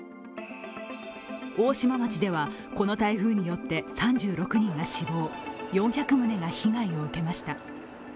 大島町ではこの台風によって３６人が死亡４００棟が被害を受けました。